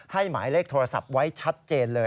หมายเลขโทรศัพท์ไว้ชัดเจนเลย